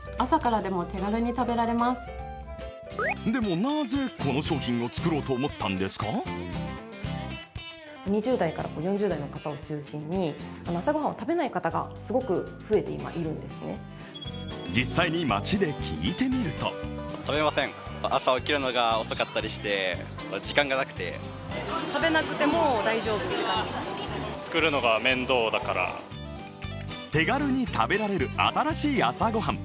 でもなぜこの商品を作ろうと思ったんですか実際に街で聞いてみると手軽に食べられる新しい朝ごはん。